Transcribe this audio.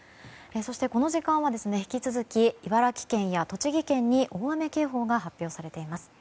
そしてこの時間は引き続き茨城県や栃木県に大雨警報が発表されています。